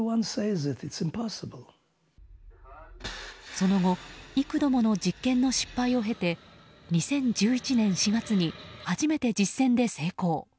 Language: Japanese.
その後幾度もの実験の失敗を経て２０１１年４月に初めて実戦で成功。